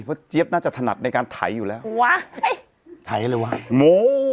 เพราะเจี๊ยบน่าจะถนัดในการไถอยู่แล้ววะไถเลยวะโม